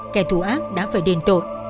kẻ thù ác đã phải đền tội